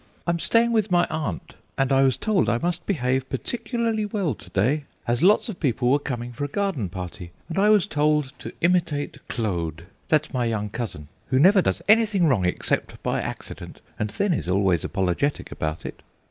"I'm staying with my aunt, and I was told I must behave particularly well to day, as lots of people were coming for a garden party, and I was told to imitate Claude, that's my young cousin, who never does anything wrong except by accident, and then is always apologetic about it.